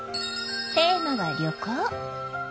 テーマは「旅行」！